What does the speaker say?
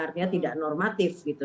artinya tidak normatif gitu